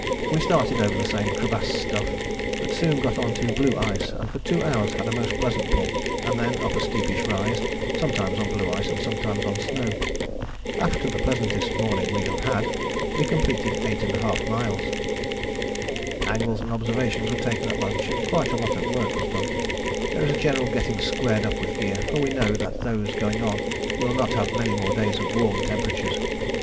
We started over the same crevassed stuff, but soon got on to blue ice, and for two hours had a most pleasant pull, and then up a steepish rise sometimes on blue ice and sometimes on snow. After the pleasantest morning we have had, we completed 8½ miles. [Illustration: FROM MOUNT DEAKIN TO MOUNT KINSEY E. A. Wilson, del. Emery Walker Limited, Collotypers.] "Angles and observations were taken at lunch, and quite a lot of work was done. There is a general getting squared up with gear, for we know that those going on will not have many more days of warm temperatures.